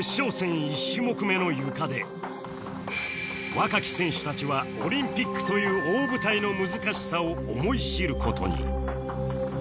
若き選手たちはオリンピックという大舞台の難しさを思い知る事に